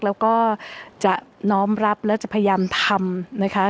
แล้วก็จะน้อมรับและจะพยายามทำนะคะ